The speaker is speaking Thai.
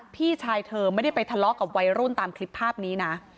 พี่ชายเธอไม่ได้ไปทะเลาะกับวัยรุ่นตามคลิปภาพนี้นะ